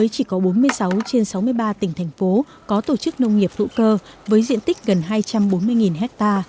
chỉ có bốn mươi sáu trên sáu mươi ba tỉnh thành phố có tổ chức nông nghiệp hữu cơ với diện tích gần hai trăm bốn mươi ha